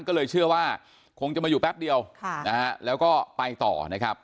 ก็เลยเชื่อว่าคงจะมาอยู่แป๊บเดียวแล้วก็ไปต่อนะครับ